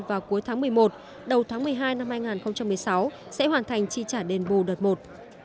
vào cuối tháng một mươi một đầu tháng một mươi hai năm hai nghìn một mươi sáu sẽ hoàn thành chi trả đền bù đợt một